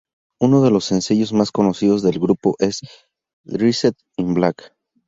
Uno de los sencillos más conocidos del grupo es "Dressed in Black".